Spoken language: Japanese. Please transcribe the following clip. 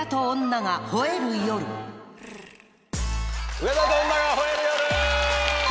『上田と女が吠える夜』！